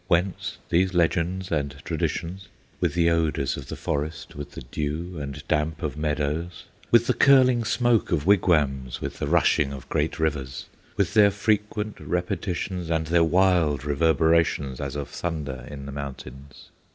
Whence these legends and traditions, With the odors of the forest With the dew and damp of meadows, With the curling smoke of wigwams, With the rushing of great rivers, With their frequent repetitions, And their wild reverberations As of thunder in the mountains?